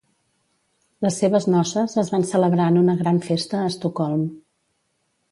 Les seves noces es van celebrar en una gran festa a Estocolm.